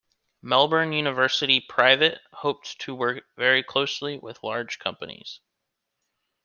Melbourne University Private hoped to work very closely with large companies.